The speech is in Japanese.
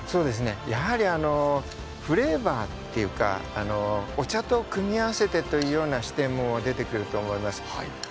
やはりフレーバーというかお茶と組み合わせてという視点も出てくると思います。